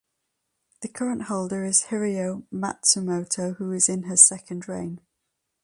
The current holder is Hiroyo Matsumoto who is in her second reign.